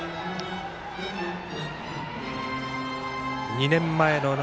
２年前の夏。